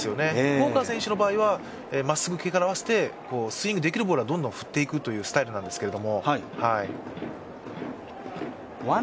ウォーカー選手の場合はまっすぐ系から合わせてスイングできるボールはどんど振っていくというスタイルですけど。